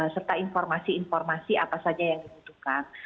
serta informasi informasi apa saja yang dibutuhkan